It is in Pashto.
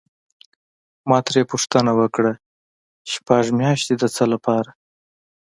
ما ترې پوښتنه وکړه: شپږ میاشتې د څه لپاره؟